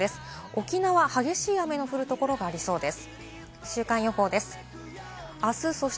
沖縄は激しい雨の降るところがありそうです。